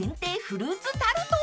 フルーツタルト］